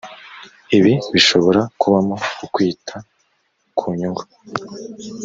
ibi bishobora kubamo ukwita ku nyungu